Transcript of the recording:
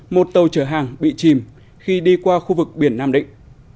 một tàu chở hàng bị chìm khi đi qua khu vực biển nam định